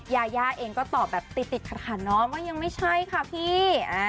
ยาย่าเองก็ตอบแบบติดขัดเนาะว่ายังไม่ใช่ค่ะพี่